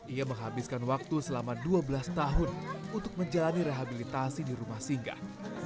ia menghabiskan waktu selama dua belas tahun untuk menjalani rehabilitasi di rumah singgah